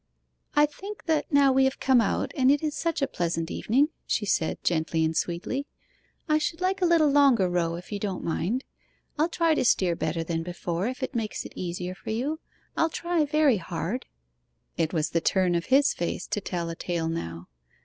'I think that now we have come out, and it is such a pleasant evening,' she said gently and sweetly, 'I should like a little longer row if you don't mind? I'll try to steer better than before if it makes it easier for you. I'll try very hard.' It was the turn of his face to tell a tale now.